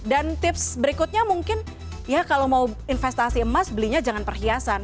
dan tips berikutnya mungkin ya kalau mau investasi emas belinya jangan perhiasan